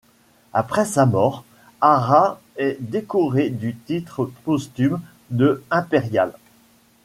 Après sa mort, Hara est décoré du titre posthume de impérial.